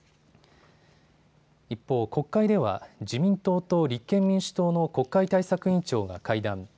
一方、国会では自民党と立憲民主党の国会対策委員長が会談。